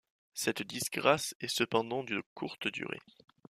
Cette disgrâce est cependant de courte durée.